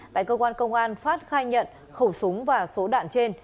tại cơ quan công an phát khai nhận khẩu súng và số đạn trên